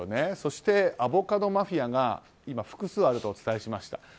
そして、アボカドマフィアが今、複数あるとお伝えしました。